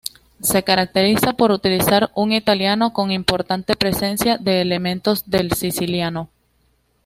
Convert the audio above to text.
Se caracteriza por utilizar un italiano con importante presencia de elementos del siciliano.